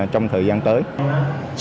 trong thời gian tiếp theo